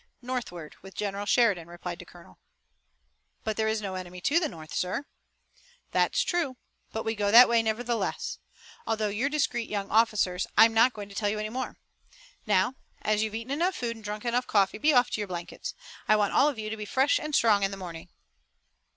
"Northward with General Sheridan," replied the Colonel. "But there is no enemy to the north, sir!" "That's true, but we go that way, nevertheless. Although you're discreet young officers I'm not going to tell you any more. Now, as you've eaten enough food and drunk enough coffee, be off to your blankets. I want all of you to be fresh and strong in the morning."